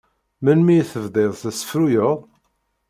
Melmi i tebdiḍ tessefruyeḍ?